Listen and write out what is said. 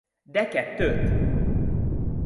De kettőt?